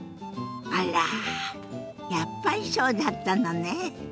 あらやっぱりそうだったのね。